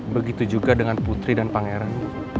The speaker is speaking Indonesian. begitu juga dengan putri dan pangeran